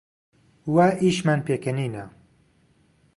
وا ئیشمان پێکەنینە